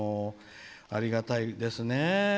ありがたいですね。